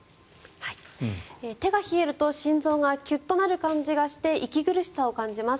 手が冷えると心臓がきゅっとなる感じがして息苦しさを感じます。